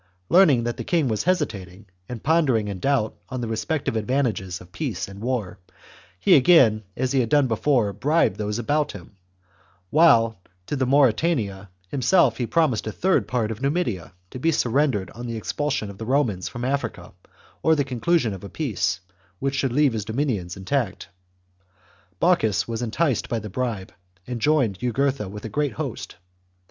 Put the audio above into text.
Learning that the king was hesitating and pondering in doubt on the respec tive advantages of peace and war, he again, as he had done before, bribed those about him, while to the Mauritanian himself he promised a third part of Numidia, to be surrendered on the expulsion of the Romans from Africa or the conclusion of a peace which should leave his dominions intact. Bocchus was enticed by the bribe, and joined Jugurtha with a great host.